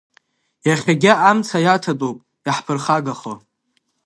Иахьагьы амца иаҭатәуп иаҳԥырхагахо.